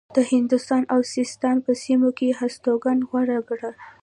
هندوستان او د سیستان په سیمو کې هستوګنه غوره کړه.